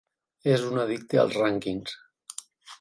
És un addicte als rànquings.